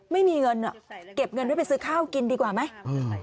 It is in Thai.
ไม่มีเงินเก็บเงินไว้ไปซื้อข้าวกินดีกว่าไหม